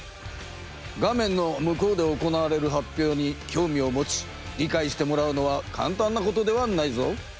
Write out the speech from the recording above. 画面の向こうで行われる発表にきょうみを持ちりかいしてもらうのはかんたんなことではないぞ。